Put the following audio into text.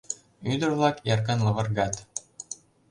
Ӱдыр-влак эркын лывыргат.